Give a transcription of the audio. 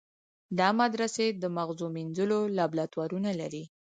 دا مدرسې د مغزو مینځلو لابراتوارونه لري.